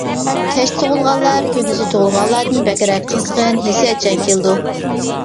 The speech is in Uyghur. كەچتە تۇغۇلغانلار كۈندۈزى تۇغۇلغانلاردىن بەكرەك قىزغىن، ھېسسىياتچان كېلىدۇ.